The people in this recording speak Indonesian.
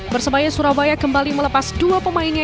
persebaya surabaya kembali melepas dua pemainnya